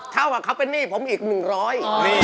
เท่ากับเขาเป็นหนี้ผมอีกหนึ่งร้อย